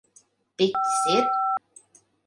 Piķis ir?